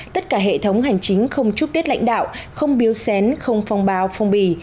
tất cả hệ thống hành chính không trúc tết lãnh đạo không biếu xén không phong bào phong bì